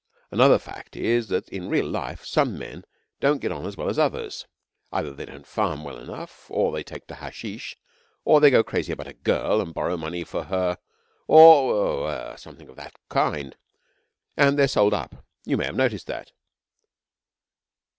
Another fact is that in real life some men don't get on as well as others. Either they don't farm well enough, or they take to hashish, or go crazy about a girl and borrow money for her, or er something of that kind, and they are sold up. You may have noticed that.'